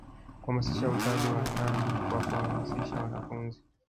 kuhamasisha utali wa ndani kwa kuhamasisha wanafunzi